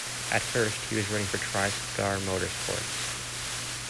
At first, he was running for Tri-Star Motorsports.